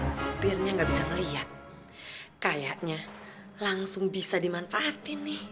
supirnya gak bisa melihat kayaknya langsung bisa dimanfaatin nih